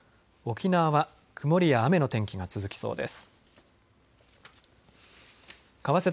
沖縄は曇りや雨の天気が続きそうです。